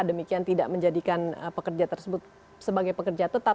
demikian tidak menjadikan pekerja tersebut sebagai pekerja tetap